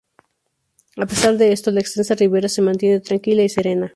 A pesar de esto, la extensa ribera se mantiene tranquila y serena.